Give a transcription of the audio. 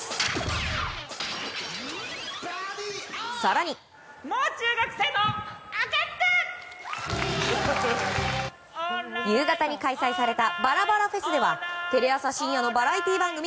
更に夕方に開催されたバラバラフェスではテレ朝深夜のバラエティー番組